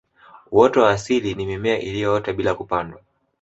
uoto wa asili ni mimea iliyoota bila kupandwa